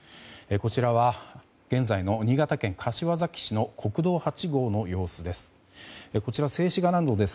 こちらは現在の新潟県柏崎市の国道８号の様子です。